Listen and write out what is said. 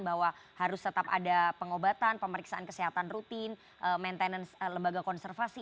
bahwa harus tetap ada pengobatan pemeriksaan kesehatan rutin maintenance lembaga konservasi